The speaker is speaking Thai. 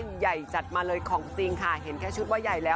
เล็กน่อยใหญ่จัดมาเลยจับมาเลของจริงค่ะเห็นแค่ชุดว่าย่ายแล้ว